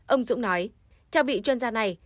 ông dũng nói theo vị chuyên gia này